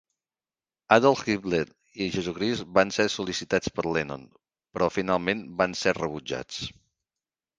Adolf Hitler i Jesucrist van ser sol·licitats per Lennon, però finalment van ser rebutjats.